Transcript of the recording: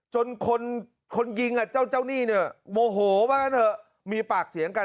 จนคนยิงเจ้าหนี้เนี่ยโมโหว่างั้นเถอะมีปากเสียงกัน